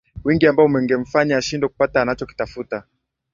Wingi ambao ungemfanya ashindwe kupata anachokitafuta